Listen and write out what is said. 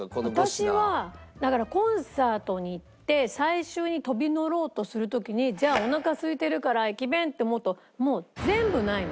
私はだからコンサートに行って最終に飛び乗ろうとする時にじゃあおなかすいてるから駅弁って思うともう全部ないの。